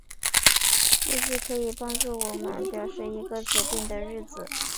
日期可以帮助我们表示一个指定的日子。